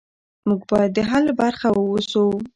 موږ باید د حل برخه اوسو.